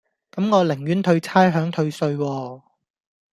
咁我寧願退差餉退稅喎